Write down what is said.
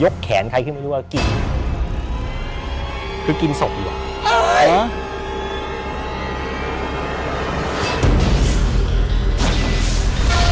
เพื่อกินศพดีกว่า